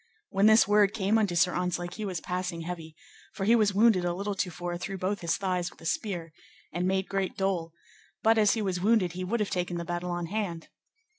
When this word came unto Sir Ontzlake he was passing heavy, for he was wounded a little to fore through both his thighs with a spear, and made great dole; but as he was wounded, he would have taken the battle on hand.